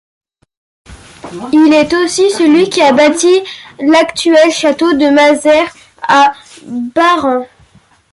Il est aussi celui qui a bâti l'actuel château de Mazères à Barran.